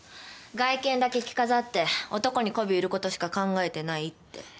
外見だけ着飾って男にこび売ることしか考えてないって。